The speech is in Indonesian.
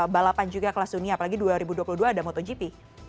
balapan juga kelas dunia apalagi dua ribu dua puluh dua ada motogp